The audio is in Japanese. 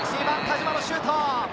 ２番、田島のシュート。